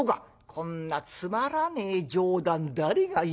「こんなつまらねえ冗談誰が言いますか」。